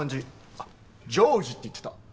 あっジョージって言ってた。